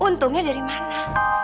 untungnya dari mana